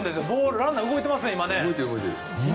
ランナーが動いていますね。